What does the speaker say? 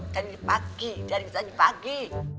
dari pagi dari pagi